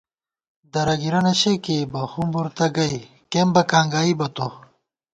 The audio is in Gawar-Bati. درَگِرَنہ شےکېئیمہ ہُمبر تہ گئ کېمبَکاں گائیبہ تو